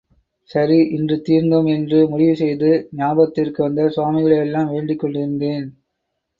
சரி இன்று தீர்ந்தோம் என்று முடிவு செய்து, ஞாபத்திற்கு வந்த சுவாமிகளை எல்லாம் வேண்டிக் கொண்டிருந்தேன்.